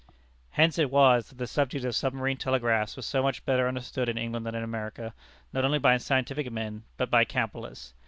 Hence it was that the subject of submarine telegraphs was so much better understood in England than in America, not only by scientific men, but by capitalists.